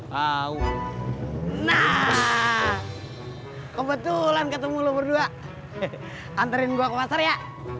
hai nah kebetulan ketemu lu berdua anterin gua ke pasar ya